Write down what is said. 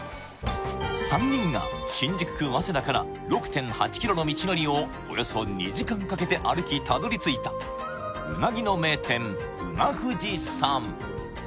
３人が新宿区早稲田から６．８ｋｍの道のりをおよそ２時間かけて歩きたどりついたうなぎの名店うな富士さん